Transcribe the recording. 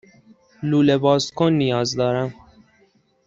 لوله بازکن نیاز دارم.